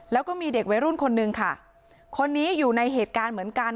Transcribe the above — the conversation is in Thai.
แล้วก็มีเด็กวัยรุ่นคนนึงค่ะคนนี้อยู่ในเหตุการณ์เหมือนกัน